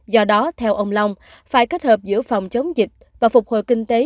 do đó theo ông long phải kết hợp giữa phòng chống dịch và phục hồi kinh tế